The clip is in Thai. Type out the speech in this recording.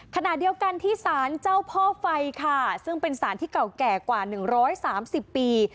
ขณะเดียวกันที่สารเจ้าพ่อไฟค่ะซึ่งเป็นสารที่เก่าแก่กว่า๑๓๐ปี